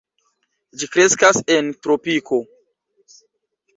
Ĝi kreskas en tropiko.